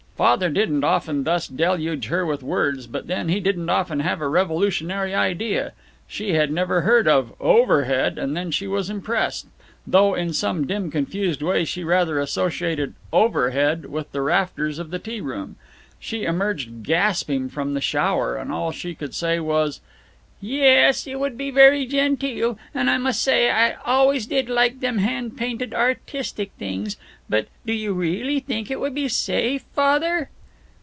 Father didn't often thus deluge her with words, but then he didn't often have a Revolutionary Idea. She had never heard of "overhead," and she was impressed; though in some dim confused way she rather associated "overhead" with the rafters of the tea room. She emerged gasping from the shower, and all she could say was: "Yes: it would be very genteel. And I must say I always did like them hand painted artistic things. But do you really think it would be safe, Father?"